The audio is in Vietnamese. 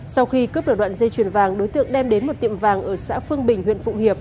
sau khi cướp được đoạn dây chuyền vàng đối tượng đem đến một tiệm vàng ở xã phương bình huyện phụng hiệp